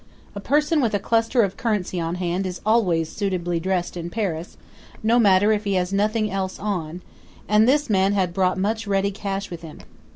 A person with a cluster of currency on hand is always suitably dressed in Paris, no matter if he has nothing else on; and this man had brought much ready cash with him.